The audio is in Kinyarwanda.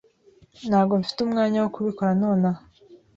Ntabwo mfite umwanya wo kubikora nonaha.